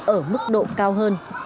ở mức độ cao hơn